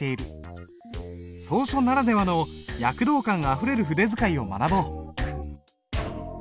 草書ならではの躍動感あふれる筆使いを学ぼう。